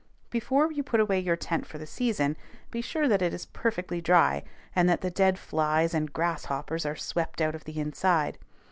Before you put away your tent for the season be sure that it is perfectly dry, and that the dead flies and grasshoppers are swept out of the inside.